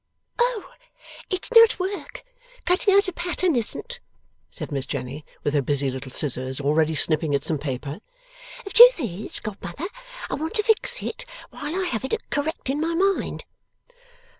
'Oh! It's not work, cutting out a pattern isn't,' said Miss Jenny, with her busy little scissors already snipping at some paper. 'The truth is, godmother, I want to fix it while I have it correct in my mind.